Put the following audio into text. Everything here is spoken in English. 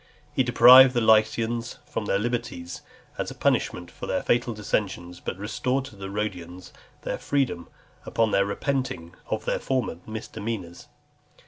He deprived the Lycians of their liberties, as a punishment for their fatal dissensions; but restored to the Rhodians their freedom, upon their repenting of their former misdemeanors.